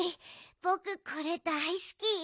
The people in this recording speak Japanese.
ぼくこれだいすき！